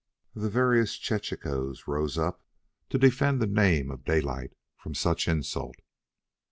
The veriest chechaquos rose up to defend the name of Daylight from such insult.